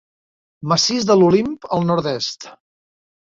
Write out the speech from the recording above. Massís de l'Olimp al nord-est.